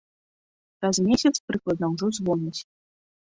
Праз месяц прыкладна ўжо звоняць.